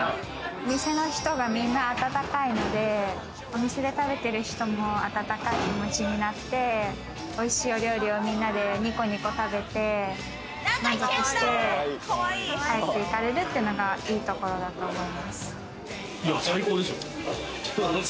お店の人がみんな温かいので、お店で食べてる人も温かい気持ちになっておいしいお料理をみんなでニコニコ食べて満足して帰っていかれるという最高ですよ。